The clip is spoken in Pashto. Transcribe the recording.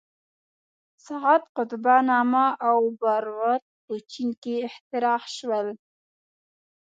ساعت، قطب نما او باروت په چین کې اختراع شول.